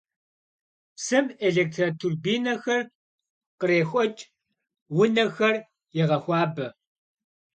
Psım elêktroturbinexer khrêxueç', vunexer yêğexuabe.